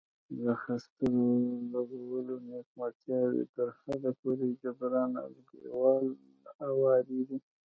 د خښتو لګولو نیمګړتیاوې تر حده پورې جبران او دېوال اواریږي.